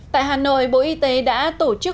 tại hà nội bộ y tế đã tổ chức